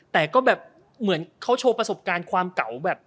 แต่ก็แบบเหมือนเขาโชว์ประสบการณ์ความเก่าแบบ